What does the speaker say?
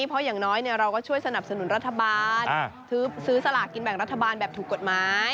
เพราะอย่างน้อยเราก็ช่วยสนับสนุนรัฐบาลซื้อสลากกินแบ่งรัฐบาลแบบถูกกฎหมาย